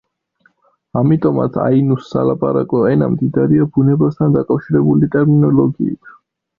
ამიტომაც აინუს სალაპარაკო ენა მდიდარია ბუნებასთან დაკავშირებული ტერმინოლოგიით.